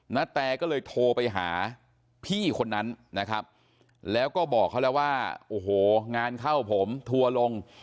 นาแตก็เลยโทรไปหาพี่คนนั้นนะครับแล้วก็บอกเขาแล้วว่าโอ้โหงานเข้าผมทัวร์ลง